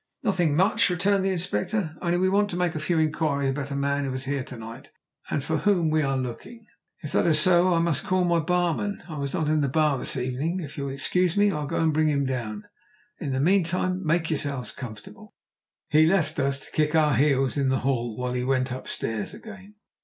"Nothing much," returned the Inspector: "only we want to make a few inquiries about a man who was here to night, and for whom we are looking." "If that is so I'm afraid I must call my barman. I was not in the bar this evening. If you'll excuse me I'll go and bring him down. In the meantime make yourselves comfortable." He left us to kick our heels in the hall while he went upstairs again.